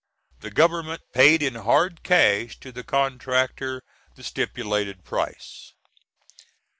The government paid in hard cash to the contractor the stipulated price.